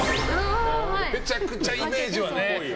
めちゃくちゃイメージはね。